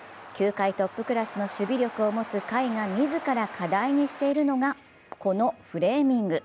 球界トップクラスの守備力を持つ甲斐が自ら課題にしているのがこのフレーミング。